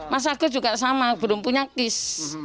mas agus juga sama belum punya kis